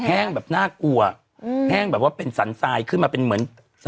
แห้งแบบน่ากลัวแห้งแบบว่าเป็นสันทรายขึ้นมาเป็นเหมือน